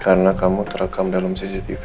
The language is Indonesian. karena kamu terekam dalam cctv